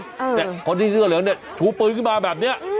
เนี่ยคนที่เสื้อเหลืองเนี่ยชูปืนขึ้นมาแบบนี้